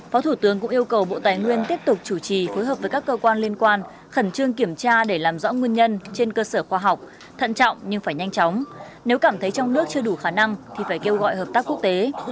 phó thủ tướng cũng yêu cầu bộ tài nguyên tiếp tục chủ trì phối hợp với các cơ quan liên quan khẩn trương kiểm tra để làm rõ nguyên nhân trên cơ sở khoa học thận trọng nhưng phải nhanh chóng nếu cảm thấy trong nước chưa đủ khả năng thì phải kêu gọi hợp tác quốc tế